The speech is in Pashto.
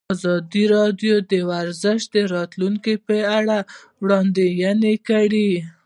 ازادي راډیو د ورزش د راتلونکې په اړه وړاندوینې کړې.